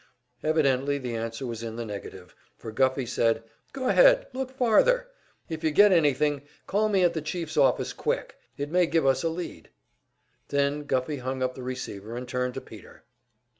Evidently the answer was in the negative, for Guffey said: "Go ahead, look farther; if you get anything, call me at the chief's office quick. It may give us a lead." Then Guffey hung up the receiver and turned to Peter.